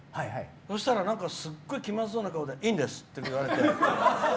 そしたら、すごい気まずそうな顔でいいんですって言われて。